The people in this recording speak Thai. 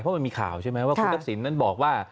เพราะมันมีข่าวใช่ไหมว่าคุณทักษิณนั้นบอกว่า